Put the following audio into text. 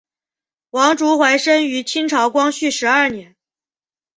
王竹怀生于清朝光绪十二年。